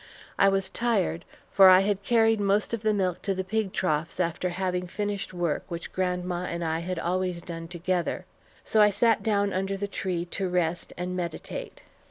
I was tired, for I had carried most of the milk to the pig troughs after having finished work which grandma and I had always done together; so I sat down under the tree to rest and meditate.